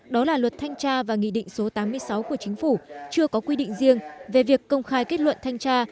đó là luật thanh tra và nghị định số tám mươi sáu của chính phủ chưa có quy định riêng về việc công khai kết luận thanh tra